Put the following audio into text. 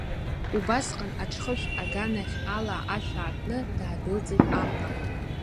Убасҟан аҿхышә аганахь ала ашә аартны даадәылҵит Амра.